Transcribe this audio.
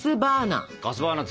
ガスバーナー！